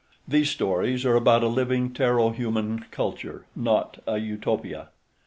These stories are about a living Terro Human culture, not a utopia.